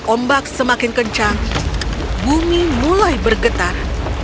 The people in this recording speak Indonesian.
ombak semakin kencang bumi mulai bergetar